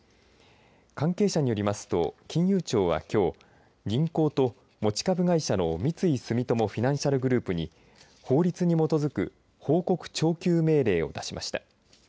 関係者によりますと金融庁はきょう銀行と持ち株会社の三井住友フィナンシャルグループに法律に基づく報告徴求命令を出しました。